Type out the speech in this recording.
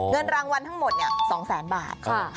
เงินรางวัลทั้งหมด๒๐๐๐๐๐บาทหาร๑๐บาท